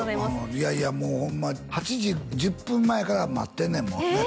いやいやもうホンマ８時１０分前から待ってんねんもんえー